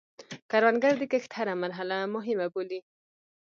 کروندګر د کښت هره مرحله مهمه بولي